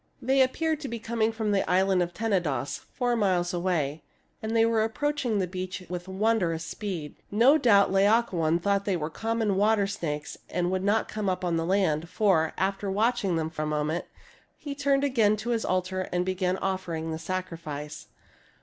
They appeared to be coming from the island of Tenedos, four miles away, and they were approach ing the beach with wondrous speed. No doubt Laocobn thought they were common water snakes and would not come upon the land ; for, after watching them a moment, he turned again to his altar and began offering the sacrifice.